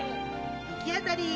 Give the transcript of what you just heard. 行き当たり。